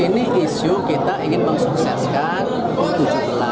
ini isu kita ingin mengsukseskan u tujuh belas